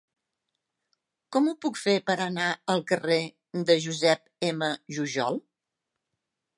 Com ho puc fer per anar al carrer de Josep M. Jujol?